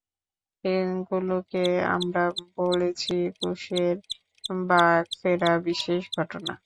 এগুলোকে আমরা বলেছি একুশের বাঁক ফেরা বিশেষ ঘটনা।